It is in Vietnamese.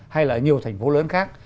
hay là nhiều thành phố lớn khác